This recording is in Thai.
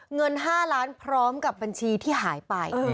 เงิน๕ล้านพร้อมกับบัญชีที่หายไป